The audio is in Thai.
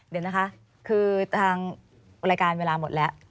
เดี๋ยวนะคะคือทางรายการเวลาหมดแล้ว